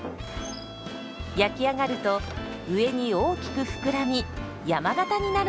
焼き上がると上に大きく膨らみ山型になるんです。